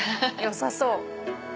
良さそう。